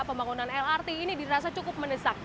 pembangunan lrt ini dirasa cukup mendesak